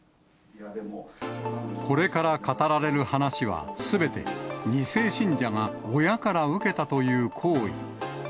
これから語られる話は、すべて２世信者が親から受けたという行為。